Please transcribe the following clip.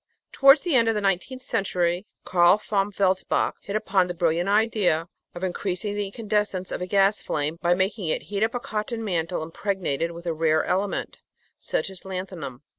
Towards the end of the nineteenth century, Carl von Welsbach hit upon the .brilliant idea of increasing the incandes cence of a gas flame by making it heat up a cotton mantle im pregnated with a rare element, such as lanthanum.